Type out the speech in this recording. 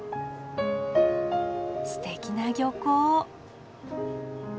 すてきな漁港。